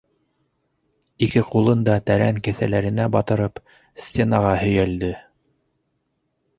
Ике ҡулын да тәрән кеҫәләренә батырып, стенаға һөйәлде.